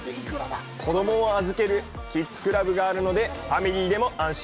子どもを預けるキッズクラブがあるのでファミリーでも安心。